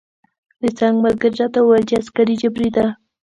د څنګ ملګري راته وویل چې عسکري جبری ده.